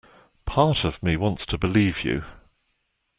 Part of me wants to believe you.